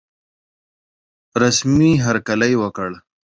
رسمي هرکلی وکړ.